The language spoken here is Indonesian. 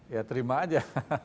ya terima aja